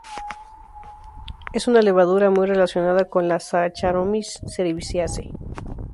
Es una levadura muy relacionada con la "Saccharomyces cerevisiae".